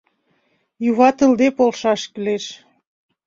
Юватылде полшаш кӱлеш;